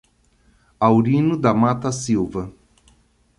Aurino da Mata Silva